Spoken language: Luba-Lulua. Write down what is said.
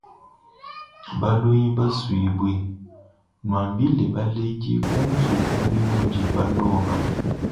Balongi basuibwe, nwambile baledi kunzubu binudi balonga.